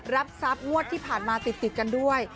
รับทรัพย์งวดที่ผ่านมาติดกันด้วย